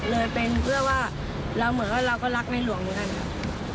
เลยเป็นเพื่อว่าเราเหมือนว่าเราก็รักในหลวงเหมือนกันครับ